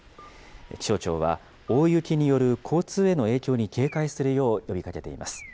気象庁は大雪による交通への影響に警戒するよう呼びかけています。